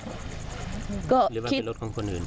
หรือว่าเป็นรถของคนอื่น